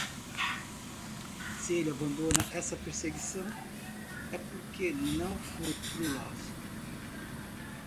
Se ele abandona essa perseguição? é porque não foi truelove...